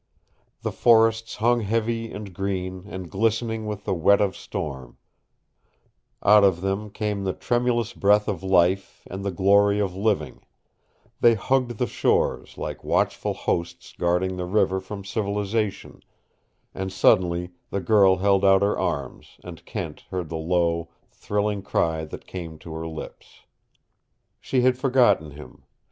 The forests hung heavy and green and glistening with the wet of storm; out of them came the tremulous breath of life and the glory of living; they hugged the shores like watchful hosts guarding the river from civilization and suddenly the girl held out her arms, and Kent heard the low, thrilling cry that came to her lips. She had forgotten him.